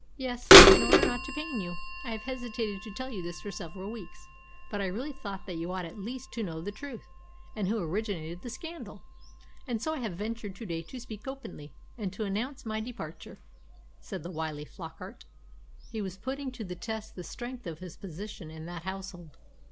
"Yes. In order not to pain you. I have hesitated to tell you this for several weeks. But I really thought that you ought at least to know the truth, and who originated the scandal. And so I have ventured to day to speak openly, and to announce my departure," said the wily Flockart. He was putting to the test the strength of his position in that household.